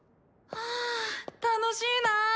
はぁ楽しいなぁ。